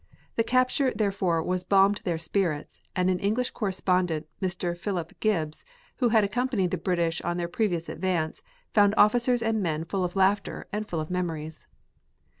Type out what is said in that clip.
The capture therefore was balm to their spirits, and an English correspondent, Mr. Philip Gibbs, who had accompanied the British on their previous advance, found officers and men full of laughter and full of memories.